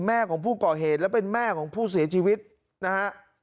แม่ของผู้ก่อเหตุและเป็นแม่ของผู้เสียชีวิตนะฮะ